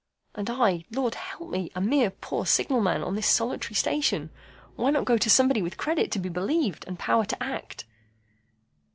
And I, Lord help me! A mere poor signal man on this solitary station! Why not go to somebody with credit to be believed, and power to act?"